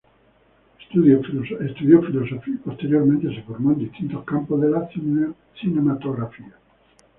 Estudió Filosofía y posteriormente se formó en distintos campos de la cinematografía.